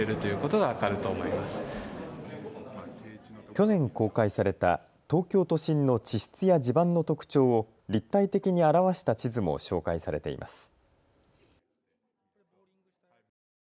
去年公開された東京都心の地質や地盤の特徴を立体的に表した地図も紹介されています。